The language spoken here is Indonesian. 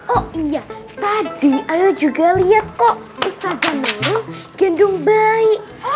oh iya tadi ayu juga lihat kok ustazah nurul gendong bayi